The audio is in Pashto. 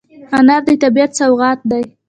انار د طبیعت سوغات دی.